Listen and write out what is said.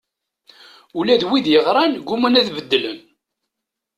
Ula d wid yeɣran gguman ad beddlen.